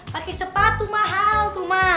pake sepatu mahal tuh ma